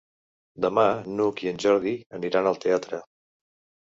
Demà n'Hug i en Jordi aniran al teatre.